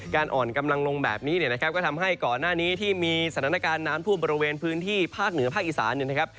การอ่อนกำลังลงแบบนี้ก็ทำให้ก่อนหน้านี้ที่มีสถานการณ์น้ำพูดบริเวณพื้นที่ภาคเหนือภาคอีสานนะครับ